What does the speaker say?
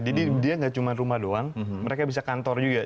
jadi dia tidak cuma rumah saja mereka bisa kantor juga